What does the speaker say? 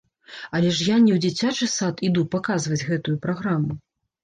Але я ж не ў дзіцячы сад іду паказваць гэтую праграму.